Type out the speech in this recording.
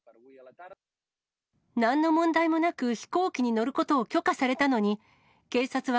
なんの問題もなく飛行機に乗ることを許可されたのに、警察は